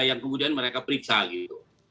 yang kemudian mereka periksa gitu